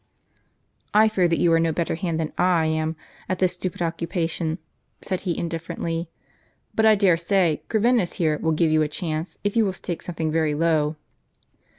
" I fear you are not a better hand than I am at this stupid occupation," said he indifferently; "but, I dare say, Corvinus here will give you a chance, if you will stake something very low."